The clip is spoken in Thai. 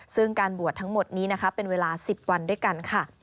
ซึ่งการบวชทั้งหมดนี้นะคะเป็นเวลา๑๐วันด้วยกันค่ะ